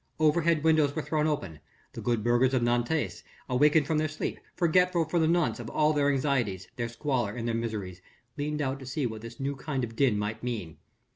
Overhead windows were thrown open the good burghers of Nantes, awakened from their sleep, forgetful for the nonce of all their anxieties, their squalor and their miseries, leaned out to see what this new kind of din might mean.